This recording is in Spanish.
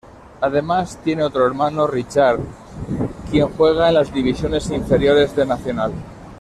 Además, tiene otro hermano, Richard, quien juega en las divisiones inferiores de Nacional.